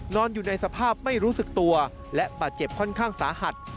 นอนอยู่ในสภาพไม่รู้สึกตัวและบาดเจ็บค่อนข้างสาหัส